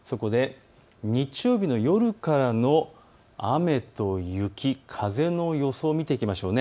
日曜日の夜からの雨と雪、風の予想を見ていきましょう。